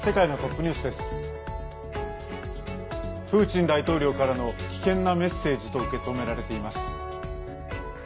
プーチン大統領からの危険なメッセージと受け止められています。